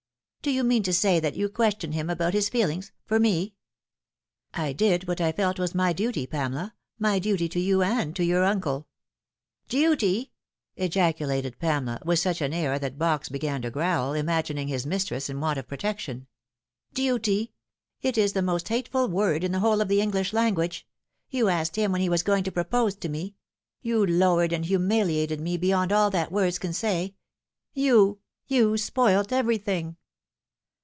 " Do you mean to say that you questioned him about his feelings for me ?"" I did what I felt was my duty, Pamela my duty to you and to your uncle." " Duty !" ejaculated Pamela, with such an air that Box began to growl, imagining his mistress in want of protection. " Duty ! It is the most hateful word in the whole of the English lan guage. You asked him when he was going to propose to me you lowered and humiliated me beyond all that words can say you you spoilt everything."